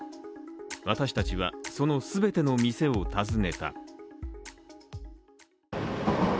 私たちは、その全ての店を訪ねた。